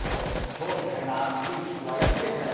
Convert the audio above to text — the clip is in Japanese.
今日みたいな暑い日は、やっぱりこれ。